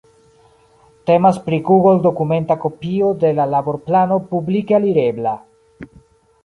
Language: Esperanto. Temas pri google-dokumenta kopio de la laborplano publike alirebla.